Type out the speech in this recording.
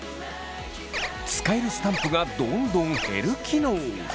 使えるスタンプがどんどん減る機能！